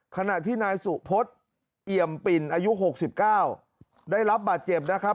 ขณะที่นายสุพฤษเอี่ยมปิ่นอายุ๖๙ได้รับบาดเจ็บนะครับ